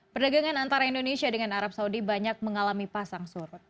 perdagangan antara indonesia dengan arab saudi banyak mengalami pasang surut